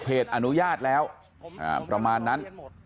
อนุญาตแล้วประมาณนั้น